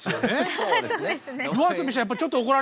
そうですね。